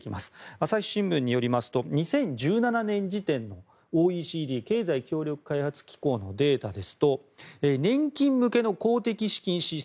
朝日新聞によりますと２０１７年時点のＯＥＣＤ・経済協力開発機構のデータですと年金向けの公的資金支出